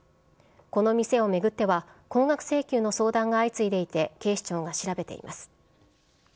この店を巡っては、高額請求の相談が相次いでいて、警視庁が調べています。